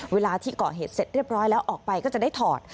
เวลาที่ก่อเหตุเสร็จเรียบร้อยแล้วออกไปก็จะได้ถอด